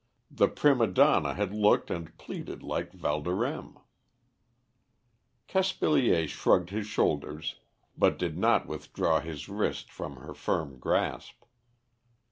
The prima donna had looked and pleaded like Valdorême. Caspilier shrugged his shoulders, but did not withdraw his wrist from her firm grasp.